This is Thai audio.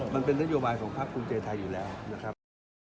มันเป็นนโยบายของภาคภูมิใจไทยอยู่แล้วนะครับ